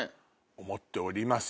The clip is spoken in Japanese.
思っております。